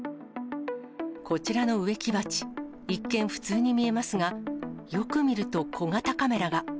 こちらの植木鉢、一見、普通に見えますが、よく見ると小型カメラが。